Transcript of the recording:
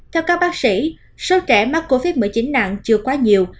theo các bác sĩ số trẻ mắc covid một mươi chín nặng chưa quá nhiều